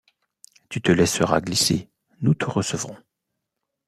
Tu te laisseras glisser, nous te recevrons.